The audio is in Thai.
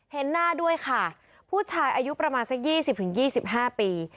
เห็นหน้าด้วยค่ะผู้ชายอายุประมาณสักยี่สิบถึงยี่สิบห้าปี